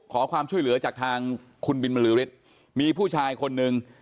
ขอความช่วยเหลือจากทางคุณบินบรือฤทธิ์มีผู้ชายคนนึง